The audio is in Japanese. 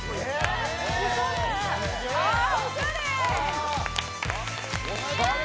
おしゃれ。